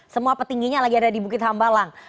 semua petingginya lagi ada di bukit hambalang